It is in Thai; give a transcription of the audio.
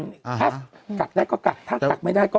ถ้ากลับได้ก็กลับถ้ากลับไม่ได้ก็กลับ